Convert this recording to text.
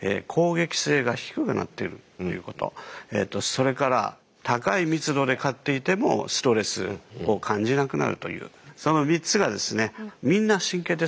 それから高い密度で飼っていてもストレスを感じなくなるという。